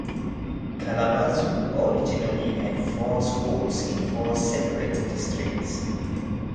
Kalamazoo originally had four schools in four separate districts.